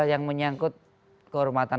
yang menyangkut kehormatan